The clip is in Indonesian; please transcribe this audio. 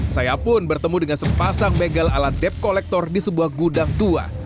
saya pun bertemu dengan sepasang begal ala debt collector di sebuah gudang tua